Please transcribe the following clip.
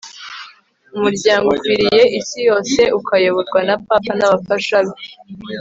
umuryango ukwiriye isi yose ukayoborwa na papa n'abafasha be